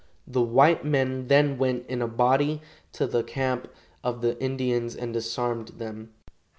The white men then went in a body to the camp of the Indians and disarmed them.